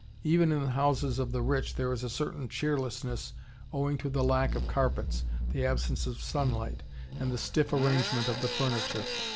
Even in the houses of the rich there is a certain cheerlessness owing to the lack of carpets, the absence of sunlight, and the stiff arrangement of the furniture.